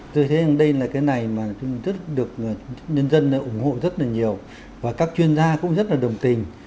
tôi thấy rằng đây là cái này mà được nhân dân ủng hộ rất là nhiều và các chuyên gia cũng rất là đồng tình